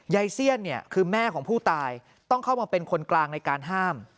เซียนเนี่ยคือแม่ของผู้ตายต้องเข้ามาเป็นคนกลางในการห้าม